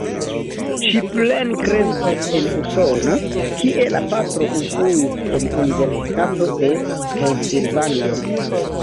Ŝi plenkreskis en Usono, kie la patro instruis en Universitato de Pensilvanio.